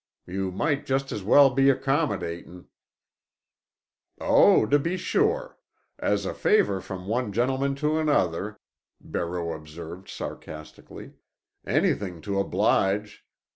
You might just as well be accommodatin'." "Oh, to be sure. As a favor from one gentleman to another," Barreau observed sarcastically. "Anything to oblige.